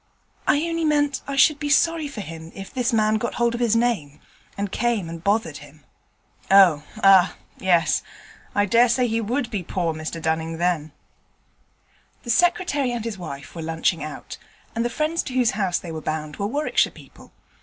'I only meant I should be sorry for him if this man got hold of his name, and came and bothered him.' 'Oh, ah! yes. I dare say he would be poor Mr Dunning then.' The Secretary and his wife were lunching out, and the friends to whose house they were bound were Warwickshire people.